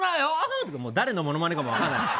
って誰のモノマネかも分からない。